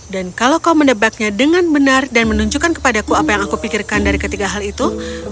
dan kalau kau mendebaknya dengan benar dan menunjukkan kepadaku apa yang aku pikirkan dari ketiga hal itu